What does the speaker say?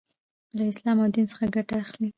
لـه اسـلام او ديـن څـخه ګـټه اخـلي .